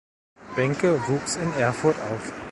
Benke wuchs in Erfurt auf.